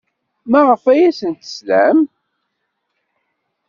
Maɣef ay asent-teslam?